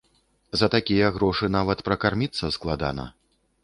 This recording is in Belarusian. За такія грошы нават пракарміцца складана.